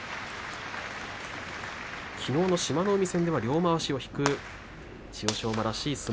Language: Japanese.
きのうの志摩ノ海戦では両まわしを引く千代翔